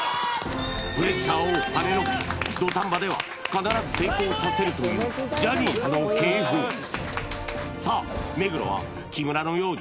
プレッシャーをはねのけ土壇場では必ず成功させるというジャニーズの系譜さあ木村のように